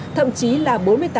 thậm chí là bốn mươi tám